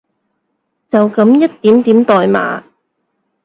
就噉一點點代碼